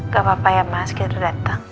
gak apa apa ya mas kita dateng